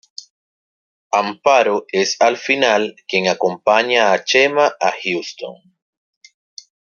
Amparo es al final, quien acompaña a Chema a Houston.